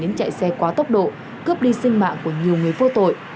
đến chạy xe quá tốc độ cướp đi sinh mạng của nhiều người vô tội